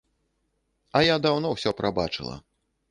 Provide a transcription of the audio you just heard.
А я даўно ўсё прабачыла.